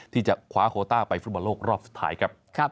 ที่จะคว้าโคต้าไปฟุตบอลโลกรอบสุดท้ายครับ